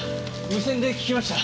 無線で聞きました。